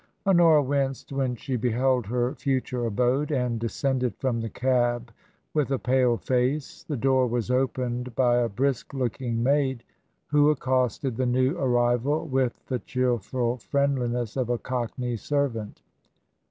Honora winced when she beheld her future abode, and descended from the cab with a pale face. The door was opened by a brisk looking maid, who accosted the new arrival with the cheerful friendliness of a cockney servant.